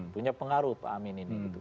punya pengaruh pak amin ini gitu